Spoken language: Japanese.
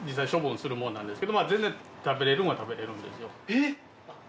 えっ？